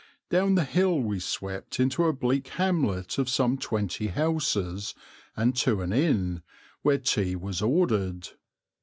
Down the hill we swept into a bleak hamlet of some twenty houses and to an inn, where tea was ordered.